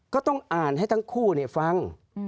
ก็ต้องอ่านให้ทั้งคู่ฟัง